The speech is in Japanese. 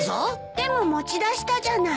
でも持ち出したじゃない。